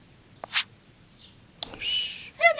よし。